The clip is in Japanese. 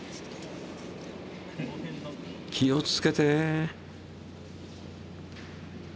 気をつけて。